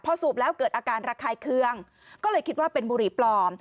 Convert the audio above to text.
พอสูบแล้วเกิดอาการระคายเคืองก็เลยคิดว่าเป็นบุหรี่ปลอม